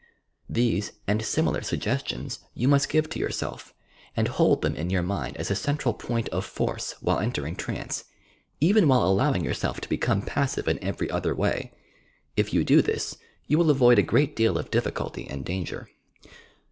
These and similar suggestions you must give to yourself, and hold them in your mind as a central point of force while entering trance, even when allowing yourself to become passive in every other way. If you do this, you will avoid a great deal of difficulty and danger.